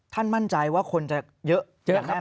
ท่านมั่นใจว่าคนจะเยอะอย่างแน่นหรือ